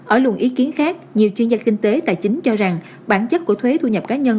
ở luận ý kiến khác nhiều chuyên gia kinh tế tài chính cho rằng bản chất của thuế thu nhập cá nhân